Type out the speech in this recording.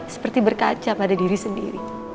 seperti berkaca pada diri sendiri